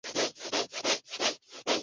亚米公是日语中用来对美国人的蔑称。